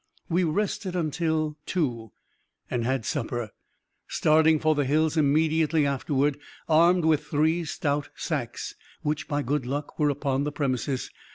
We rested until two, and had supper; starting for the hills immediately afterward, armed with three stout sacks, which, by good luck, were upon the premises.